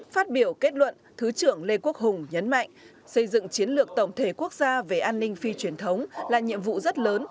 phát biểu kết luận thứ trưởng lê quốc hùng nhấn mạnh xây dựng chiến lược tổng thể quốc gia về an ninh phi truyền thống là nhiệm vụ rất lớn